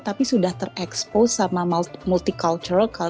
tapi sudah terekspos sama multicultural